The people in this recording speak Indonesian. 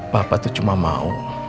papa tuh cuma mau